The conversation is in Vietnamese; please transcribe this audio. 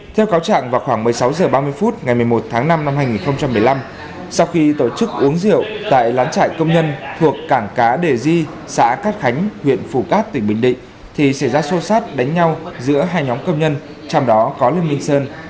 theo cáo trạng vào khoảng một mươi sáu h ba mươi phút ngày một mươi một tháng năm năm hai nghìn một mươi năm sau khi tổ chức uống rượu tại lán trại công nhân thuộc cảng cá đề di xã cát khánh huyện phủ cát tỉnh bình định thì xảy ra xô xát đánh nhau giữa hai nhóm công nhân trong đó có lương minh sơn